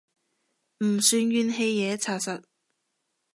唔算怨氣嘢查實